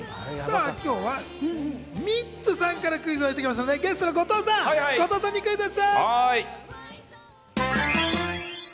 今日はミッツさんからクイズをもらってきましたのでゲストの後藤さんにクイズッス！